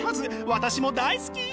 私も大好き！